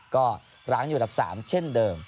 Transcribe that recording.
ก็ร้างอยู่อันดับ๓เช่นเดิม